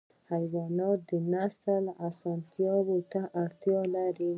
حیوانات د نسل ساتنه ته اړتیا لري.